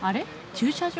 駐車場？